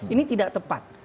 ini tidak tepat